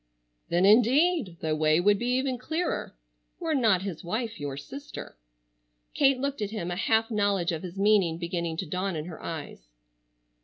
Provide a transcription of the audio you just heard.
"Then indeed, the way would be even clearer,—were not his wife your sister." Kate looked at him, a half knowledge of his meaning beginning to dawn in her eyes.